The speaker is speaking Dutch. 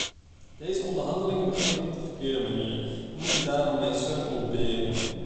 Deze onderhandelingen beginnen op de verkeerde manier en moeten daarom mijn steun ontberen.